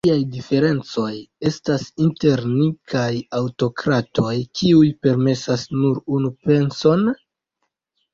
Kiaj diferencoj estas inter ni kaj aŭtokratoj, kiuj permesas nur unu penson?